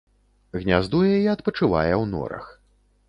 Гняздуе і адпачывае ў норах.